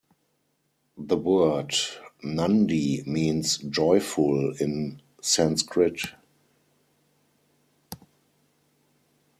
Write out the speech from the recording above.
The word "nandi" means "joyful" in Sanskrit.